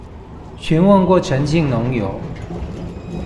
詢問過陳姓農友